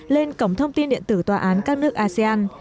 lên cổng thông tin điện tử tòa án các nước asean